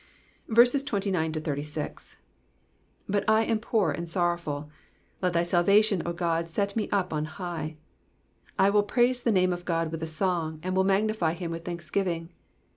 29 But I am poor and sorrowful : let thy salvation, O God, set me up on high. 30 I will praise the name of God with a song, and will magnify him with thanksgiving.